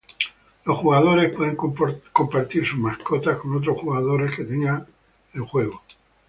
Los jugadores pueden compartir sus mascotas con otros jugadores que tenga el juego.